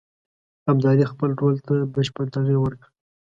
ابدالي خپل رول ته بشپړ تغییر ورکړ.